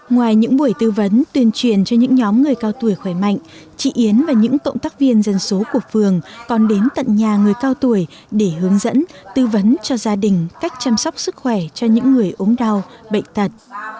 ngoài những buổi tư vấn tuyên truyền cho những nhóm người cao tuổi khỏe mạnh chị yến và những cộng tác viên dân số của phường còn đến tận nhà người cao tuổi để hướng dẫn tư vấn cho gia đình cách chăm sóc sức khỏe cho những người ốm đau bệnh tật